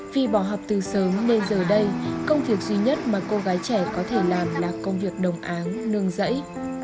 vì bỏ học từ sớm nên giờ đây công việc duy nhất mà cô gái trẻ có thể làm là công việc đồng áng nương dẫy